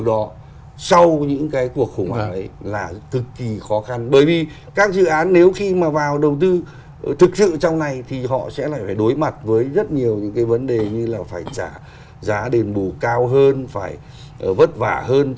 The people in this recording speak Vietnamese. điều đó sau những cái cuộc khủng hoảng ấy là cực kỳ khó khăn bởi vì các dự án nếu khi mà vào đầu tư thực sự trong này thì họ sẽ lại phải đối mặt với rất nhiều những cái vấn đề như là phải trả giá đền bù cao hơn phải vất vả hơn